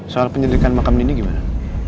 soal penyelidikan makam ini gimana